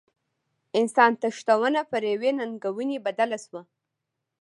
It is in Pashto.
انسان تښتونه پر یوې ننګونې بدله شوه.